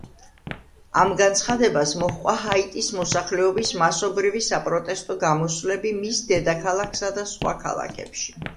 ამ განცხადებას მოჰყვა ჰაიტის მოსახლეობის მასობრივი საპროტესტო გამოსვლები მის დედაქალაქსა და სხვა ქალაქებში.